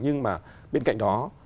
nhưng mà bên cạnh đó